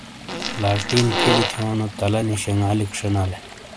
لالٹین فِیلی تھیونو تَلا نی شنگالِیک شینالے۔